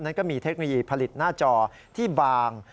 ก็มีเทคโนโลยีผลิตหน้าจอที่บาง